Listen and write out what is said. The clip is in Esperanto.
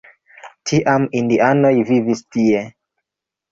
Tiam indianoj vivis tie.